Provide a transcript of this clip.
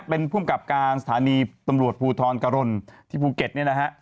เป็นภูมิกับการสถานีตำรวจภูทรกรณที่ภูเก็ตเนี่ยนะฮะ